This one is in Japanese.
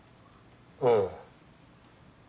うん。